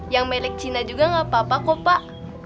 yang milik cina juga gak apa apa kok pak